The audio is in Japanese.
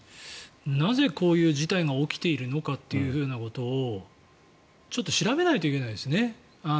なぜこういう事態が起きているのかというのをちょっと調べないといけないですね。